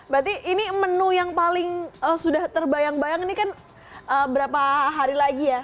berarti ini menu yang paling sudah terbayang bayang ini kan berapa hari lagi ya